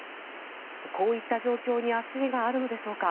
こういった状況に焦りがあるのでしょうか